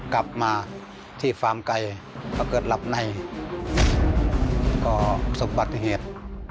กลับมาที่ฟาร์มไกลถ้าเกิดหลับในก็สบัติเหตุ